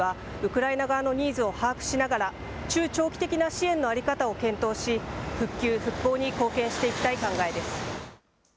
政府はウクライナ側のニーズを把握しながら、中長期的な支援の在り方を検討し、復旧・復興に貢献していきたい考えです。